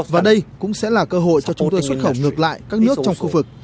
và đây cũng sẽ là cơ hội cho chúng tôi xuất khẩu